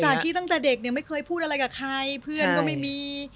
ที่ตั้งแต่เด็กเนี่ยไม่เคยพูดอะไรกับใครเพื่อนก็ไม่มี